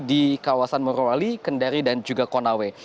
di kawasan morowali kendari dan juga konawe